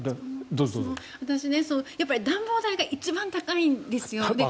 私、暖房代が一番高いんですよ。